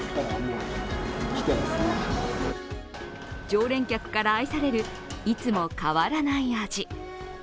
常連客から愛される、いつも変わらない味。